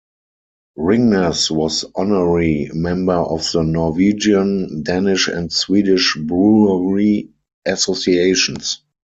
Ringnes was honorary member of the Norwegian, Danish and Swedish brewery associations.